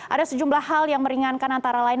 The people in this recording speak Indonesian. ada sejumlah hal yang meringankan antara lain